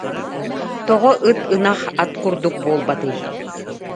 Тоҕо ыт, ынах, ат курдук буолбатый